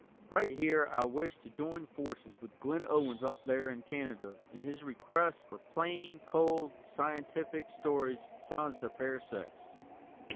Right here I wish to join forces with Glyn Owens up there in Canada in his request for plain, cold scientific stories sans the fair sex.